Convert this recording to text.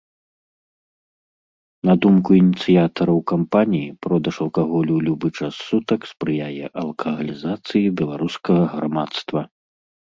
На думку ініцыятараў кампаніі, продаж алкаголю ў любы час сутак спрыяе алкагалізацыі беларускага грамадства.